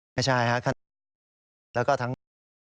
ไม่ใช่ครับแล้วก็ทั้ง